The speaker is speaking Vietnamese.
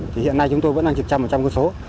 thì hiện nay chúng tôi vẫn đang trực trăm một trăm con số